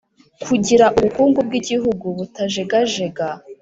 kugira ubukungu bw’igihugu butajegajega